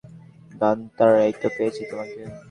Gunther, এইতো পেয়েছি তোমাকে।